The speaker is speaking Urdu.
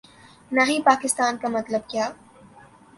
نا ہی پاکستان کا مطلب کیا